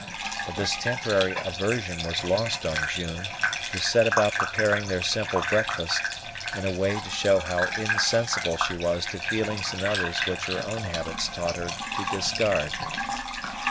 But this temporary aversion was lost on June, who set about preparing their simple breakfast, in a way to show how insensible she was to feelings in others which her own habits taught her to discard.